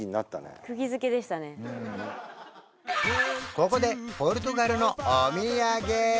ここでポルトガルのお土産